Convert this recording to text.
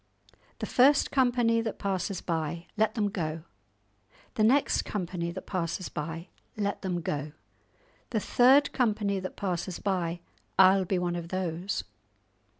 "The first company that passes by, let them go. The next company that passes by, let them go. The third company that passes by, I'll be one of those.